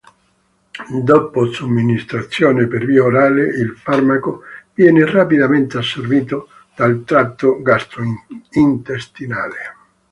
Dopo somministrazione per via orale il farmaco viene rapidamente assorbito dal tratto gastrointestinale.